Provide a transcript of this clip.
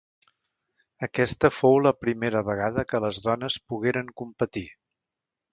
Aquesta fou la primera vegada que les dones pogueren competir.